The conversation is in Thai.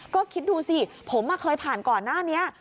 ก็คิดดูสิผมเคยผ่านก่อนหน้านี้